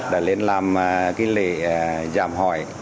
đã lên làm cái lễ giảm hỏi